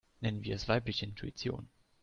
Nennen wir es weibliche Intuition.